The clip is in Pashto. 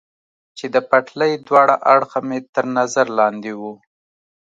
چې د پټلۍ دواړه اړخه مې تر نظر لاندې و.